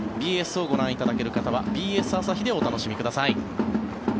ＢＳをご覧いただける方はＢＳ朝日でお楽しみください。